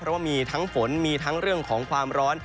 เพราะว่ามีทั้งฝนมีทั้งเรื่องของความร้อน